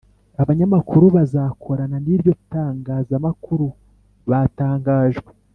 Abanyamakuru bazakorana niryo tangaza makuru batangajwe